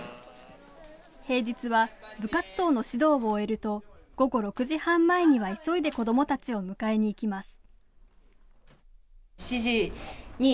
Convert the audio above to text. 平日は部活動の指導を終えると午後６時半前には急いで子どもたちを迎えに行きます。